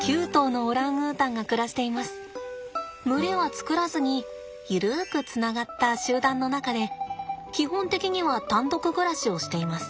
群れは作らずに緩くつながった集団の中で基本的には単独暮らしをしています。